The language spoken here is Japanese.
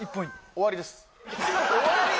終わりです？